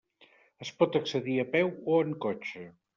Es pot accedir a peu o en cotxe.